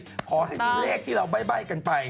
ขอให้มีเลขที่เราใบ้กันไป